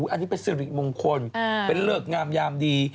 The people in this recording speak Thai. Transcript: อันนี้เป็นสิริมงคลเป็นเลิกงามยามดี